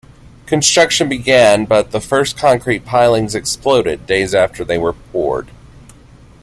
Construction began, but the first concrete pilings exploded days after they were poured.